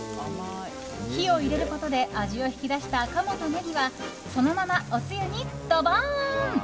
火を入れることで味を引き出した鴨とネギはそのまま、おつゆにドボン。